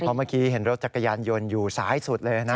เพราะเมื่อกี้เห็นรถจักรยานยนต์อยู่ซ้ายสุดเลยนะ